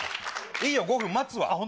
いいよ、５分待つわ。